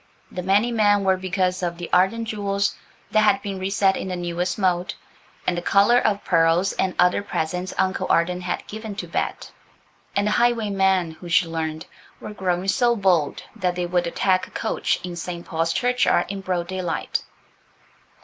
The many men were because of the Arden jewels, that had been reset in the newest mode, and the collar of pearls and other presents Uncle Arden had given to Bet; and the highwaymen, who, she learned, were growing so bold that they would attack a coach in St. Paul's Churchyard in broad daylight.